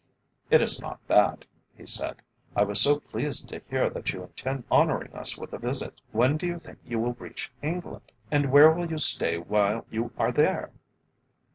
"It is not that," he said. "I was so pleased to hear that you intend honouring us with a visit. When do you think you will reach England, and where will you stay while you are there?"